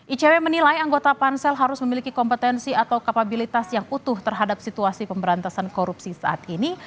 icw menilai anggota pansel harus memiliki kompetensi atau kapabilitas yang utuh terhadap situasi pemberantasan korupsi saat ini